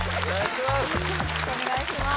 お願いします！